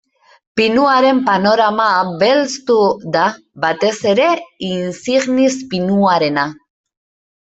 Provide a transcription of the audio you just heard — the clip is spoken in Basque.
Pinuaren panorama belztu da, batez ere insignis pinuarena.